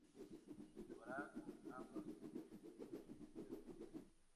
Y lavará con agua sus intestinos y sus piernas